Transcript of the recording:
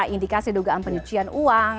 indikasi dugaan penyucian uang